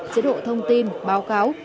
chế độ thông tin báo cáo